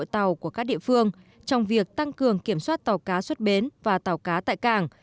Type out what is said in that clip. trong việc tăng cường kiểm soát tàu cá xuất bến và tàu cá tại cảng